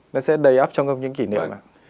nó sẽ đầy ấp trong không những kỷ niệm